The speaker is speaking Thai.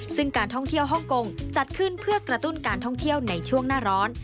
ซึ่งการท่องเที่ยวฮ่องกงจัดขึ้นเพื่อกระตุ้นการท่องเที่ยวในช่วงหน้าร้อน